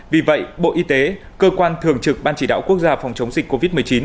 vì vậy bộ y tế cơ quan thường trực ban chỉ đạo quốc gia phòng chống dịch covid một mươi chín